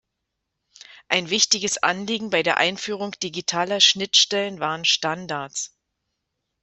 Ein wichtiges Anliegen bei der Einführung digitaler Schnittstellen waren Standards.